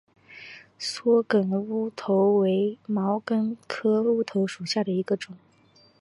缩梗乌头为毛茛科乌头属下的一个种。